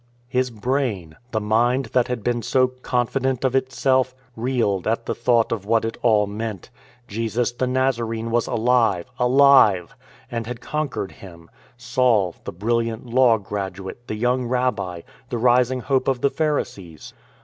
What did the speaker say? His brain, the mind that had been so confident of itself, reeled at the thought of what it all meant. Jesus the Nazarene was alive — alive; and had con quered him — Saul, the brilliant Law graduate, the young Rabbi, the rising hope of the Pharisees.